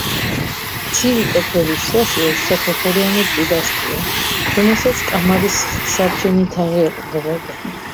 გრძივი კედლების შუაში ორსაფეხურიანი პილასტრია, რომელსაც კამარის საბჯენი თაღი ეყრდნობოდა.